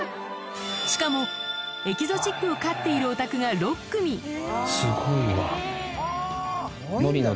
しかもエキゾチックを飼っているお宅が６組すごいわ。